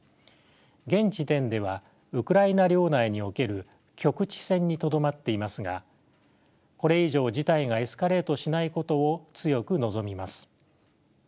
現時点ではウクライナ領内における局地戦にとどまっていますがこれ以上事態がエスカレートしないことを強く望みます。